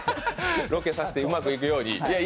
ロケさせて、うまくいくように。